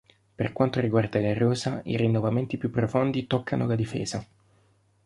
Per quanto riguarda la rosa, i rinnovamenti più profondi toccano la difesa.